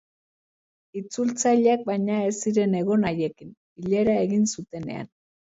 Itzultzaileak baino ez ziren egon haiekin, bilera egin zutenean.